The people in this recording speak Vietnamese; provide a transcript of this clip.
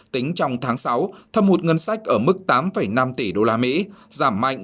tính trong tháng sáu thâm hụt ngân sách ở mức tám năm tỷ usd giảm mạnh